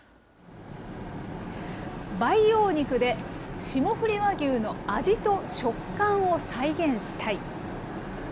培養肉で霜降り和牛の味と食感を再現したい。